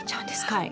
はい。